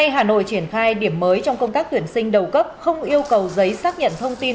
hà nội triển khai điểm mới trong công tác tuyển sinh đầu cấp không yêu cầu giấy xác nhận thông tin